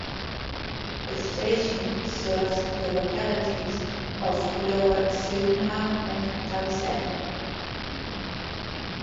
The station serves the localities of Lower Sydenham and Southend.